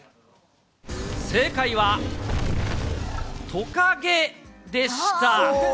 正解は、トカゲでした。